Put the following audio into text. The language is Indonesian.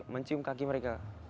mencium kaki mereka